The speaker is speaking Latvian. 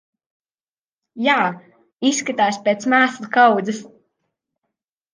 Jā, izskatās pēc mēslu kaudzes.